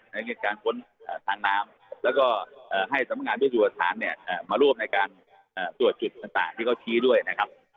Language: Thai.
ในการพ้นสารน้ำแล้วก็ให้สำรวจงานมาร่วมในการตรวจจุดต่างที่เขาชี้ด้วยนะครับ